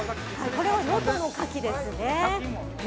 これは能登のカキですね。